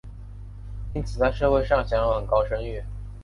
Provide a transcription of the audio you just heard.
因此在社会上享有很高声誉。